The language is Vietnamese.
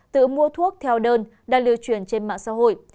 tự mua thuốc theo đơn đang lưu truyền trên mạng xã hội